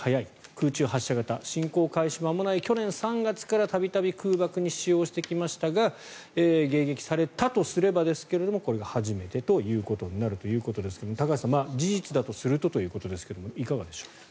空中発射型侵攻開始間もない去年３月から度々、空爆に使用してきましたが迎撃されたとすればですがこれが初めてとなるということですが高橋さん事実だとするとということですがいかがでしょう？